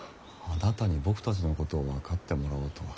あなたに僕たちのことを分かってもらおうとは。